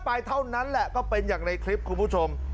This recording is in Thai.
ไปเท่านั้นแหละก็เป็นอย่างในคลิปคุณผู้ชม